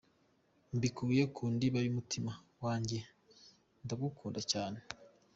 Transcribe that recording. Mbikuye ku ndiba y’umutima wanjye, ndagukunda cyane!".